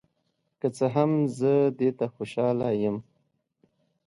که څه هم، زه دې ته خوشحال یم.